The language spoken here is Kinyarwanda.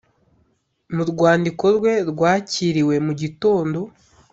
mu rwandiko rwe rwakiriwe mu gitondo